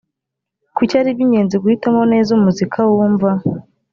kuki ari iby ingenzi guhitamo neza umuzika wumva